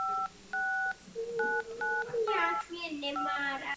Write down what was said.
Obec náležela do územního celku Sudety s převahou obyvatel s česky psaným příjmením.